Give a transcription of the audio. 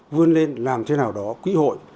vươn lên làm thế nào đó quỹ hội